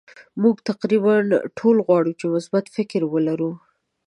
مونږ تقریبا ټول غواړو چې مثبت فکر ولرو.